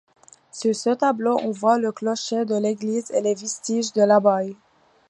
Sur ce tableau on voit le clocher de l'église et les vestiges de l'abbaye.